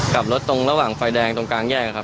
กลับรถตรงระหว่างไฟแดงตรงกลางแยกครับ